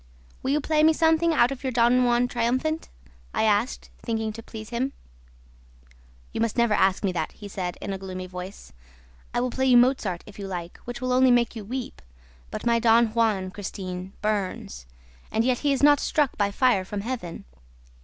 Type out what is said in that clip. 'Will you play me something out of your Don Juan Triumphant?' I asked, thinking to please him. 'You must never ask me that,' he said, in a gloomy voice. 'I will play you Mozart, if you like, which will only make you weep; but my Don Juan, Christine, burns; and yet he is not struck by fire from Heaven.'